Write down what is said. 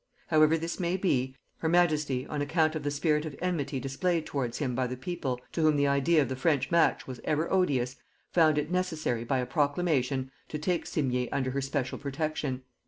However this might be, her majesty, on account of the spirit of enmity displayed towards him by the people, to whom the idea of the French match was ever odious, found it necessary, by a proclamation, to take Simier under her special protection.